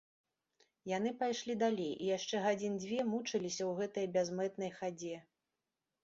Яны пайшлі далей і яшчэ гадзін дзве мучыліся ў гэтай бязмэтнай хадзе.